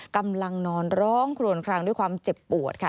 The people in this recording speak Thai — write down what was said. กำลังนอนร้องครวนคลางด้วยความเจ็บปวดค่ะ